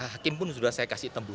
hakim pun sudah saya kasih tembus